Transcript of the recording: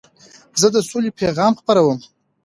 زه د سولي پیغام خپروم.